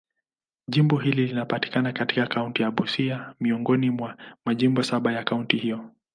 Jimbo hili linapatikana katika kaunti ya Busia, miongoni mwa majimbo saba ya kaunti hiyo.